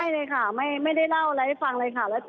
เลยค่ะไม่ได้เล่าอะไรให้ฟังเลยค่ะ